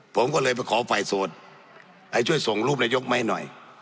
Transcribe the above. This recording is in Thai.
ผมก็เลยไปขอฝ่ายโสดให้ช่วยส่งรูปนายกมาให้หน่อย